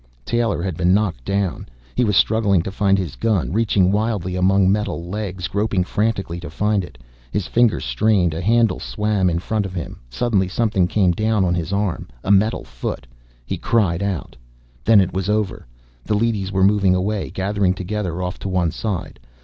Taylor had been knocked down. He was struggling to find his gun, reaching wildly among metal legs, groping frantically to find it. His fingers strained, a handle swam in front of him. Suddenly something came down on his arm, a metal foot. He cried out. Then it was over. The leadys were moving away, gathering together off to one side.